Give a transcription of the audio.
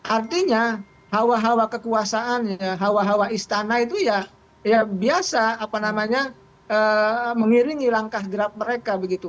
artinya hawa hawa kekuasaan hawa hawa istana itu ya biasa apa namanya mengiringi langkahnya